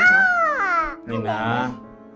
perabotan sama perlengkapan rumah